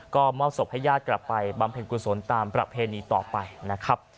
ก็มอบศพให้ญาติกลับไปบำเพ็ญกุศลตามประเพณีต่อไปนะครับ